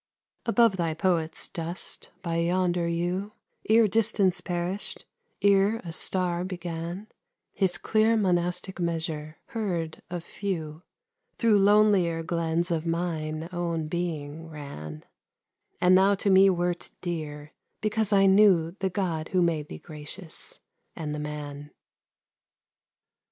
Above thy poet's dust, by yonder yew, Ere distance perished, ere a star began, His clear monastic measure, heard of few, Through lonelier glens of mine own being ran; And thou to me wert dear, because I knew The God who made thee gracious, and the man.